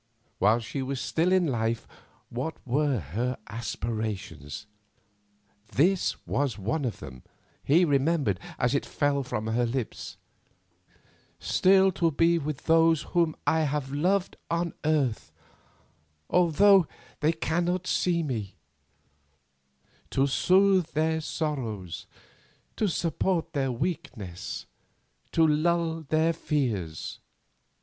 While she was still in life, what were her aspirations? This was one of them, he remembered, as it fell from her lips: "Still to be with those whom I have loved on earth, although they cannot see me; to soothe their sorrows, to support their weakness, to lull their fears."